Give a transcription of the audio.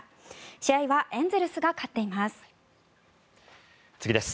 試合はエンゼルスが勝っています。